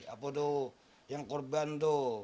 apa tuh yang korban tuh